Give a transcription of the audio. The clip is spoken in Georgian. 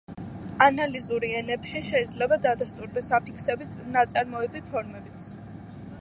ანალიზური ენებში შეიძლება დადასტურდეს აფიქსებით ნაწარმოები ფორმებიც.